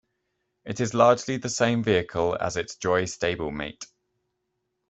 It is largely the same vehicle as its Joy stablemate.